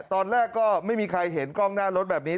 ตอนแรกก็ไม่มีใครเห็นกล้องหน้ารถแบบนี้